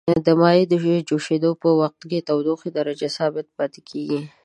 د مایع د جوشیدو په وقت کې د تودوخې درجه ثابته پاتې کیږي.